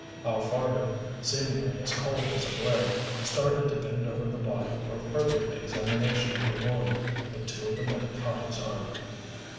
Hal Fargo, seemingly as cold as a blade, started to bend over the body for further examination of the wound, but two of the men caught his arm.